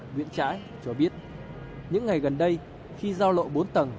nguyễn trãi cho biết những ngày gần đây khi giao lộ bốn tầng